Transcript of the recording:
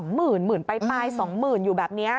๒หมื่นหมื่นปลาย๒หมื่นอยู่แบบนี้